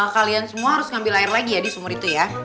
kalian semua harus ngambil air lagi ya di sumur itu ya